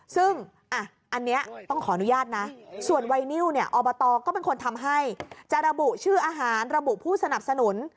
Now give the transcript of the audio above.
ซึ่งอันนี้ต้องขออนุญาตนะส่วนไวนิวเนี่ยอบตก็เป็นคนทำให้จะระบุชื่ออาหารระบุผู้สนับสนุน